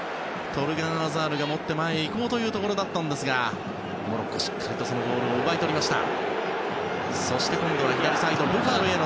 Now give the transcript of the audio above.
トルガン・アザールが持って前へいこうというところでしたがモロッコ、しっかりとそのボールを奪い取りました。